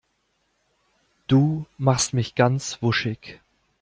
Du machst mich ganz wuschig.